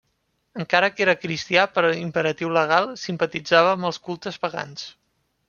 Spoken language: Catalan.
Encara que era cristià per imperatiu legal, simpatitzava amb els cultes pagans.